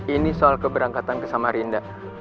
ini soal keberangkatan ke samarinda